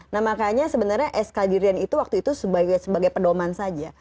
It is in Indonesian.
nah makanya sebenarnya sk dirjen itu waktu itu sebagai pedoman saja